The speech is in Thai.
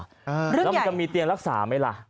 เรื่องใหญ่แล้วมันก็มีเตียงรักษาไหมล่ะ